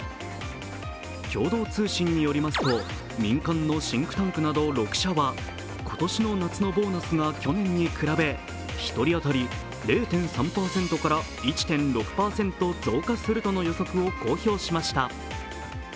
共同通信によりますと、民間のシンクタンクなど６社は今年の夏のボーナスが去年に比べ１人当たり０．３％から１．６％増加するとの予測を公表しました。